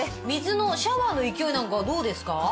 水のシャワーの勢いなんかはどうですか？